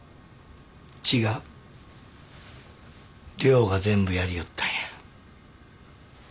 涼が全部やりよったんや。